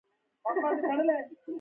هګۍ سپینه پوښ لري.